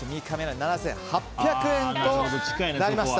７８００円となりました。